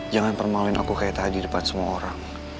jangan permaluin aku kayak tadi depan semua orang